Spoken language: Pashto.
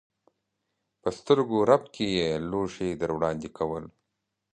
په سترګو رپ کې یې لوښي در وړاندې کول.